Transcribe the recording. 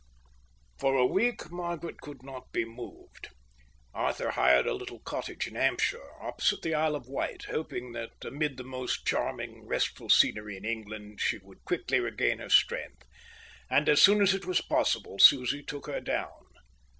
For a week Margaret could not be moved. Arthur hired a little cottage in Hampshire, opposite the Isle of Wight, hoping that amid the most charming, restful scenery in England she would quickly regain her strength; and as soon as it was possible Susie took her down.